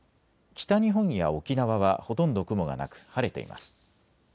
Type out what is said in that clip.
北日本や沖縄はほとんど雲がなく晴れています。